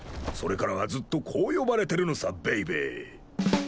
それからはずっとこう呼ばれてるのさベイベー。